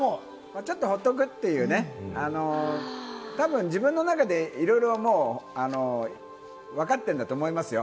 ちょっとほっとくというね、自分の中でたぶんいろいろ、わかってるんだと思いますよ。